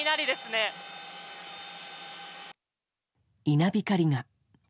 稲光が。